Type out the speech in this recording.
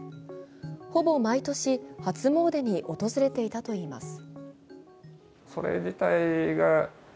ほぼ毎年、初詣に訪れていたといいます。